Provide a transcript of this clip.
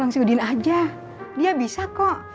tolong si udin aja dia bisa kok